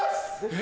え？